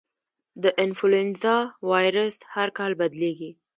د انفلوېنزا وایرس هر کال بدلېږي.